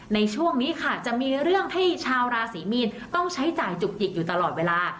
ในช่วงนี้ค่ะจะมีเรื่องให้ชาวราศีมีนต้องใช้จ่ายจุกจิกอยู่ตลอดเวลา